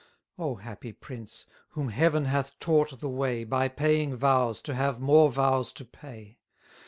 Oh, happy prince! whom Heaven hath taught the way, By paying vows to have more vows to pay!